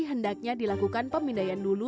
hendaknya dilakukan pemindaian dulu